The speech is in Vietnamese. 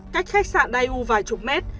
cách khách sạn dai u vài chục mét